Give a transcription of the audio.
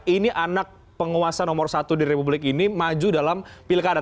ini anak penguasa nomor satu di republik ini maju dalam pilkada